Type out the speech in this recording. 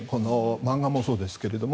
漫画もそうですけども。